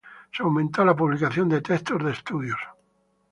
Se aumentó la publicación de textos de estudios.